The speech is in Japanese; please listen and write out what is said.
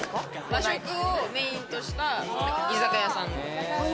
和食をメインとした居酒屋さん。